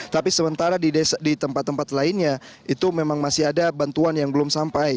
tapi sementara di tempat tempat lainnya itu memang masih ada bantuan yang belum sampai